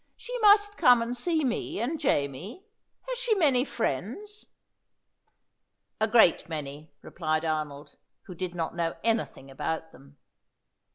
"She must come and see me and Jamie. Has she many friends?" "A great many," replied Arnold, who did not know anything about them.